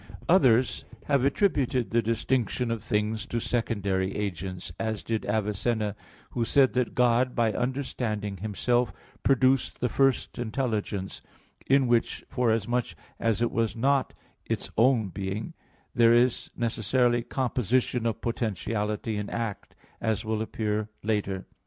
Others have attributed the distinction of things to secondary agents, as did Avicenna, who said that God by understanding Himself, produced the first intelligence; in which, forasmuch as it was not its own being, there is necessarily composition of potentiality and act, as will appear later (Q.